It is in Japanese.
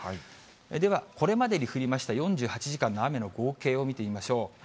では、これまでに降りました４８時間の雨の合計を見てみましょう。